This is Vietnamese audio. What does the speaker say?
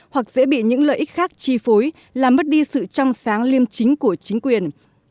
hoặc dễ bị những lợi ích khác chi phối làm mất đi sự trong sáng liêm chính của chính quyền